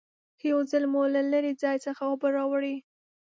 که یو ځل مو د لرې ځای څخه اوبه راوړي